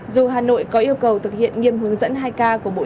dù hà nội có yêu cầu thực hiện nghiêm hướng dẫn hai k